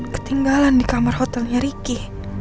ketinggalan di kamar hotelnya ricky